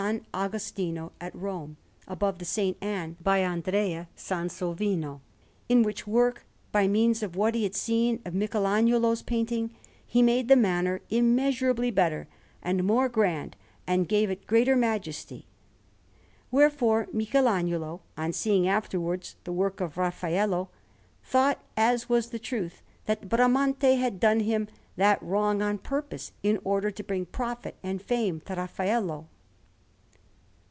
Agostino at Rome, above the S. Anne by Andrea Sansovino; in which work, by means of what he had seen of Michelagnolo's painting, he made the manner immeasurably better and more grand, and gave it greater majesty. Wherefore Michelagnolo, on seeing afterwards the work of Raffaello, thought, as was the truth, that Bramante had done him that wrong on purpose in order to bring profit and fame to Raffaello.